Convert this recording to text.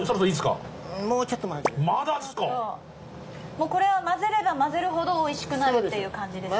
もうコレは混ぜれば混ぜるほどオイシくなるっていう感じですか？